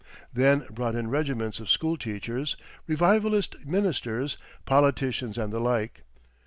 Then brought in regiments of school teachers, revivalist ministers, politicians and the like.